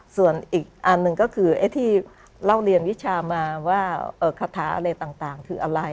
ส่วนอีกอันหนึ่งก็คือที่เล่าเรียนวิชามาว่าคาถาอะไรต่างคืออะไร